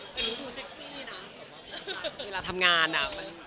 แต่หนูดูเซ็กซี่นะเวลาทำงานอะ